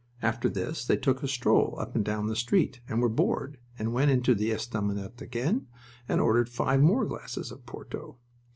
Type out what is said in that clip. After this they took a stroll up and down the street, and were bored, and went into the estaminet again, and ordered five more glasses of porto.